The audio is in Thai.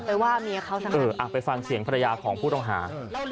ว่าเมียเขาทั้งนั้นเอออ่ะไปฟังเสียงภรรยาของผู้ต้องหา